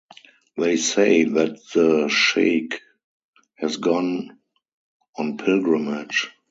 They say that the sheikh has gone on pilgrimage.